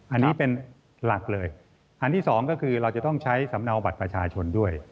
อันนี้เป็นหลักเลยอันที่สองก็คือเราจะต้องใช้สำเนาบัตรประชาชนด้วย